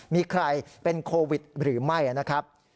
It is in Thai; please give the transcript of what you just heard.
มีใครเป็นโควิดหรือไม่นะครับ